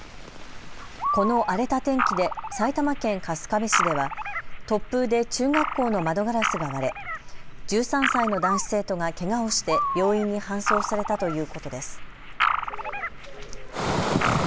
この荒れた天気で埼玉県春日部市では突風で中学校の窓ガラスが割れ１３歳の男子生徒がけがをして病院に搬送されたということです。